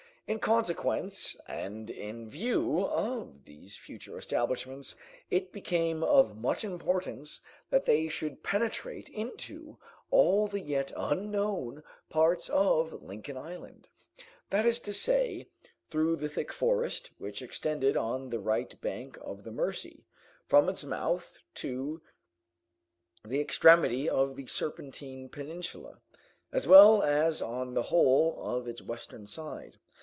In consequence and in view of these future establishments, it became of much importance that they should penetrate into all the yet unknown parts of Lincoln Island, that is to say, through that thick forest which extended on the right bank of the Mercy, from its mouth to the extremity of the Serpentine Peninsula, as well as on the whole of its western side.